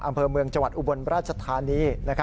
อำเภอเมืองจวัตรอุบรรณราชธานี